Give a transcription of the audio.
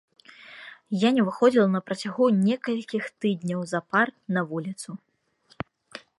Я не выходзіла на працягу некалькіх тыдняў запар на вуліцу.